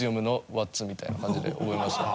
ワッツ？みたいな感じで覚えましたね。